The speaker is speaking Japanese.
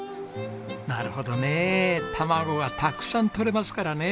なるほどね卵がたくさんとれますからね。